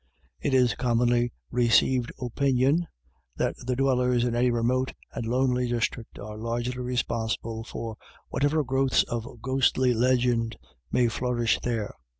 It is a com monly received opinion that the dwellers in any remote and lonely district are largely responsible for whatever growths of ghostly legend may flourish there.